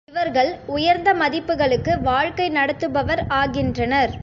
இவர்கள் உயர்ந்த மதிப்புகளுக்கு வாழ்க்கை நடத்துபவர் ஆகின்றனர்.